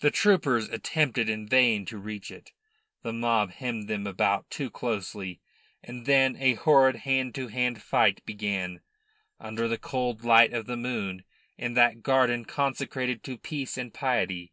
The troopers attempted in vain to reach it. The mob hemmed them about too closely, and then a horrid hand to hand fight began, under the cold light of the moon, in that garden consecrated to peace and piety.